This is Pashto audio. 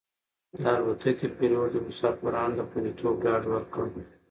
د الوتکې پېلوټ د مسافرانو د خوندیتوب ډاډ ورکړ.